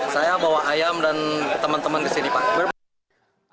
saya bawa ayam dan teman teman ke sini pak